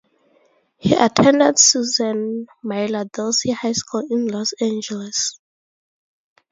He attended Susan Miller Dorsey High School in Los Angeles.